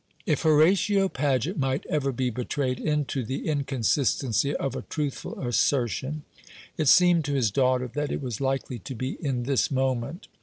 If Horatio Paget might ever be betrayed into the inconsistency of a truthful assertion, it seemed to his daughter that it was likely to be in this moment.